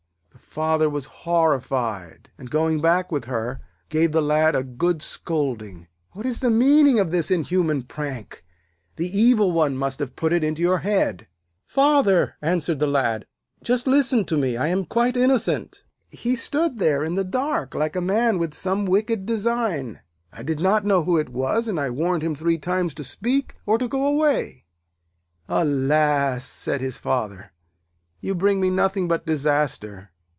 The Father was horrified, and, going back with her, gave the Lad a good scolding. 'What is the meaning of this inhuman prank? The evil one must have put it into your head.' 'Father,' answered the Lad, 'just listen to me. I am quite innocent. He stood there in the dark, like a man with some wicked design. I did not know who it was, and I warned him three times to speak, or to go away!' 'Alas!' said his Father, 'you bring me nothing but disaster.